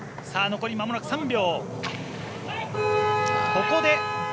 残りまもなく３秒。